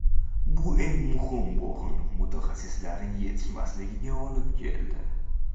Bu eng muhim bo‘g‘in – mutaxassislarning yetishmasligiga olib keldi.